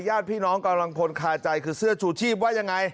ญาติพี่น้องกำลังพลคาใจคือเสื้อชูชีพว่ายังไง